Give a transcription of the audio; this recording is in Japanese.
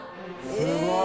すごい。